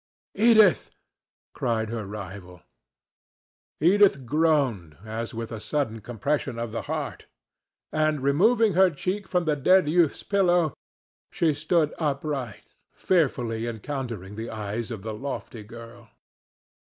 "Edith!" cried her rival. Edith groaned as with a sudden compression of the heart, and, removing her cheek from the dead youth's pillow, she stood upright, fearfully encountering the eyes of the lofty girl.